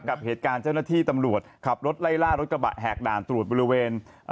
กับเหตุการณ์เจ้าหน้าที่ตำรวจขับรถไล่ล่ารถกระบะแหกด่านตรวจบริเวณ